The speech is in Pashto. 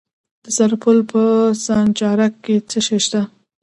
د سرپل په سانچارک کې څه شی شته؟